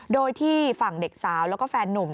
โดยที่ฝั่งเด็กสาวแล้วก็แฟนนุ่ม